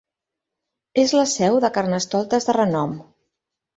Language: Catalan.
És la seu de carnestoltes de renom.